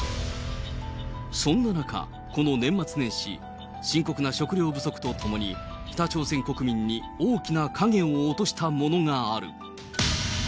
そんな中、この年末年始、深刻な食料不足とともに北朝鮮国民に大きな影を落としたものがある。